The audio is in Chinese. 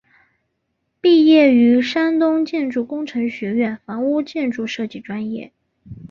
毕业于山东建筑工程学院房屋建筑设计专业。